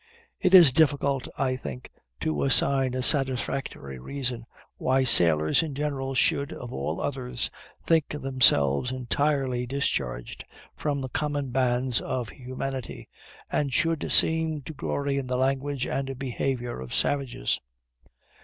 It is difficult, I think, to assign a satisfactory reason why sailors in general should, of all others, think themselves entirely discharged from the common bands of humanity, and should seem to glory in the language and behavior of savages!